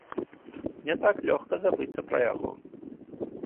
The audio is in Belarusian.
Не так лёгка забыцца пра яго.